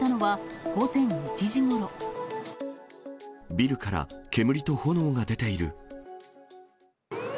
ビルから煙と炎が出ている。